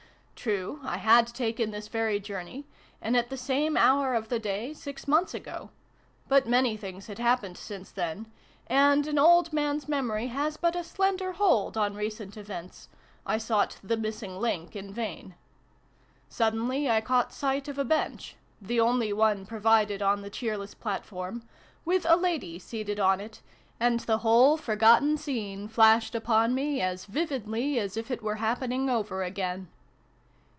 True, I had taken this very journey, and at the same hour of the day, six months ago ; but many things had happened since then, and an old man's memory has but a slender hold on recent events : I sought ' the missing link ' in vain. Suddenly I caught sight of a bench the only one provided on II] LOVE'S CURFEW. 21 the cheerless platform with a lady seated on it, and the whole forgotten scene flashed upon me as vividly as if it were happening over again.